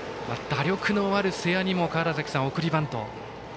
打力のある瀬谷にも川原崎さん、送りバント。